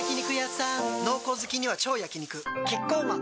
濃厚好きには超焼肉キッコーマン